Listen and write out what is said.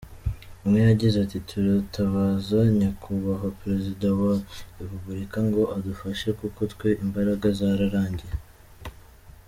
Umwe yagize ati “Turatabaza Nyakubahwa Perezida wa Repuburika ngo adufashe kuko twe imbaraga zararangiye.